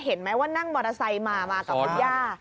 เห็นไหมว่านั่งบริษัทมามากับคุณย่า